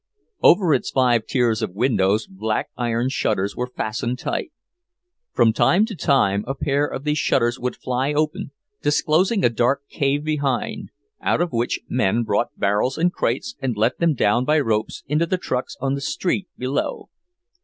Over its five tiers of windows black iron shutters were fastened tight. From time to time a pair of these shutters would fly open, disclosing a dark cave behind, out of which men brought barrels and crates and let them down by ropes into the trucks on the street below.